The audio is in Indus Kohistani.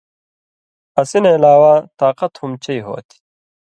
اسی نہ علاوہ طاقت ہُم چئ ہوتھی۔